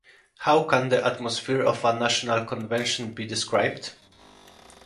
How can the atmosphere of a national convention be described?